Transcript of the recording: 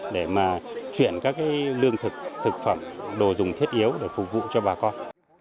để mà chuyển các lương thực thực phẩm đồ dùng thiết yếu để phục vụ cho bà con